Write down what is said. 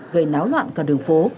gây náo loạn cả đường phố